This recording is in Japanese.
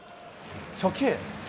初球。